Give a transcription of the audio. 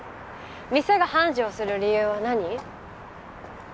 店が繁盛する理由は何？